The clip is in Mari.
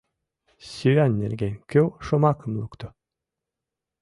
Сӱан нерген кӧ шомакым лукто?